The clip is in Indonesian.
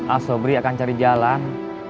a sobri akan cari jalan